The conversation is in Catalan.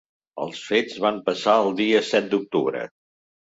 Els fets van passar el dia set d’octubre.